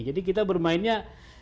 jadi kita bermainnya